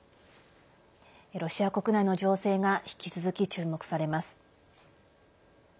ロシア国内の情勢が引き続き注目されます。